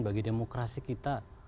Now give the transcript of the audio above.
bagi demokrasi kita